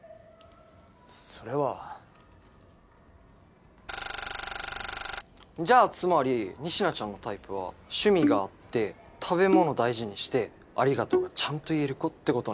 それはじゃあつまり仁科ちゃんのタイプは趣味が合って食べ物大事にしてありがとうがちゃんと言える子ってことね